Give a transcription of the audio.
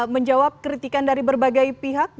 menjawab kritikan dari berbagai pihak